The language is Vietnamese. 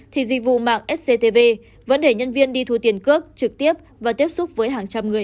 thì dịch vụ mạng sctv vẫn để nhân viên đi thu tiền cước trực tiếp và tiếp xúc với hàng trăm người